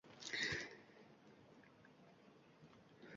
Sinoatli yobon va tavallud yurtimga qayta eltajak.